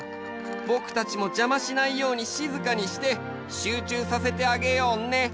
ぼくたちもじゃましないようにしずかにして集中させてあげようね。